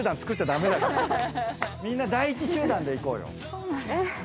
みんな第一集団でいこうよ。